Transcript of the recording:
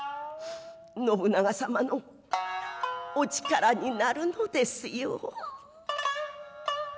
信長様の御力に成るのですよ」。